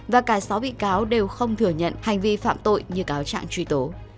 và cả sáu bị cáo đều không thừa nhận hành vi phạm tội như cáo trạng nêu